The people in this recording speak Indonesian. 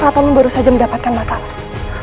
ratu kamu baru saja mendapatkan masalah